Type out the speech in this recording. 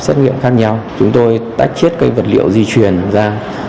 xét nghiệm khác nhau chúng tôi tách chết cái vật liệu di truyền ra